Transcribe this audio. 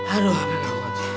aduh menang bo